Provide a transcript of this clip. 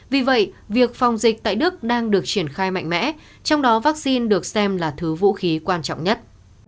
vì vậy việc phòng dịch tại đức đang được triển khai mạnh mẽ trong đó vaccine được xem là thứ vũ khí quan trọng nhất